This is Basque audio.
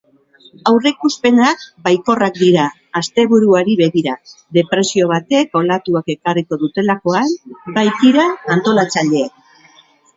Aurreikuspenak baikorrak dira asteburuari begira, depresio batek olatuak ekarriko dutelakoan baitira antolatzaileek.